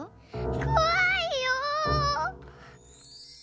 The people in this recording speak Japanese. こわいよ！